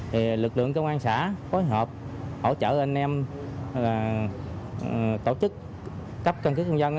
thì lực lượng công an xã phối hợp hỗ trợ anh em tổ chức cấp căn cứ công dân